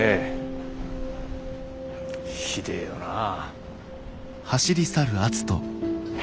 ひでえよなあ。